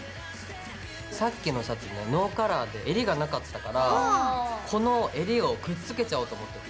さっきのシャツねノーカラーでえりがなかったからこのえりをくっつけちゃおうと思ってて。